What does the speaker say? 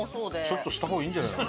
ちょっとした方がいいんじゃない？